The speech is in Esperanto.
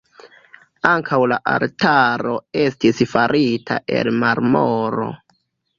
Ankaŭ la altaro estis farita el marmoro.